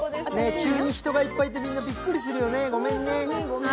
急に人がいっぱいいて、びっくりするよね、ゴメンね。